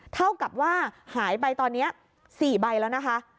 เท่ากับว่าหายไปตอนนี้๔ใบแล้วนะคะ